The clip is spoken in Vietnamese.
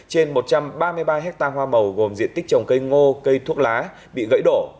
trên một trăm ba mươi ba hectare hoa màu gồm diện tích trồng cây ngô cây thuốc lá bị gãy đổ